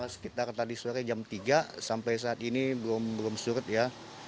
sekitar tadi sore jam tiga sampai saat ini belum surut ya